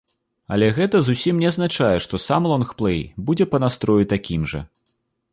Але гэта зусім не азначае, што сам лонгплэй будзе па настроі такім жа.